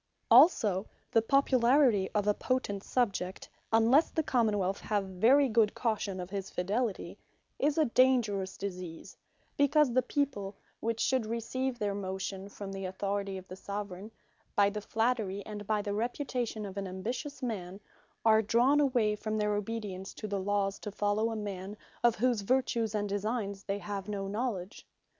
Popular Men Also, the Popularity of a potent Subject, (unlesse the Common wealth have very good caution of his fidelity,) is a dangerous Disease; because the people (which should receive their motion from the Authority of the Soveraign,) by the flattery, and by the reputation of an ambitious man, are drawn away from their obedience to the Lawes, to follow a man, of whose vertues, and designes they have no knowledge.